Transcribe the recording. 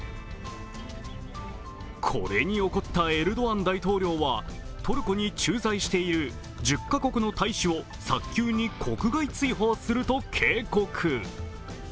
これに怒ったエルドアン大統領はトルコに駐在している１０カ国の大使を早急に国外追放すると警告。